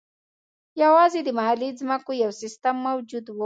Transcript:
یوازې د محلي ځمکو یو سیستم موجود و.